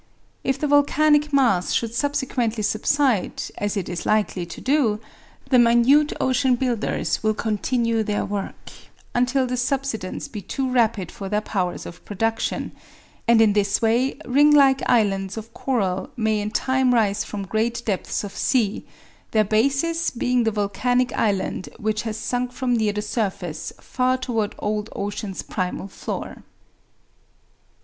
If the volcanic mass should subsequently subside, as it is likely to do, the minute ocean builders will continue their work unless the subsidence be too rapid for their powers of production and in this way ring like islands of coral may in time rise from great depths of sea, their basis being the volcanic island which has sunk from near the surface far toward old ocean's primal floor.